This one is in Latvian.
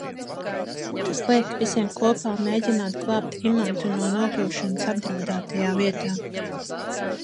Tas liek visiem kopā mēģināt glābt Imantu no nokļūšanas apdraudētajā vietā.